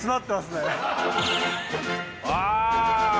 ああ